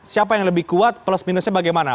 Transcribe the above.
siapa yang lebih kuat plus minusnya bagaimana